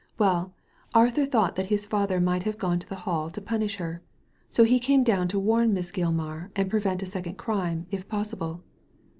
Well, Arthur thought that his father might have gone to the Hall to punish her ; so he came down to warn Miss Gilmar and prevent a second crime, if possible."